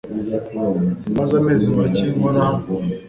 Maze amezi make nkora hano.